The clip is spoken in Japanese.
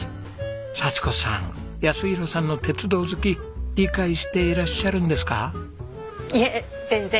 佐智子さん泰弘さんの鉄道好き理解していらっしゃるんですか？